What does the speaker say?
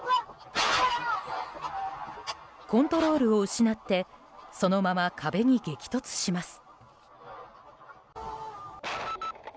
コントロールを失ってそのまま壁に激突します。